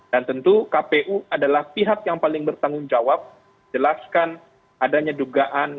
dan tentu kpu adalah pihak yang paling bertanggung jawab jelaskan adanya dugaan